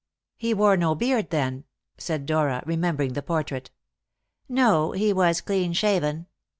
"He wore no beard then?" said Dora, remembering the portrait. "No; he was clean shaven.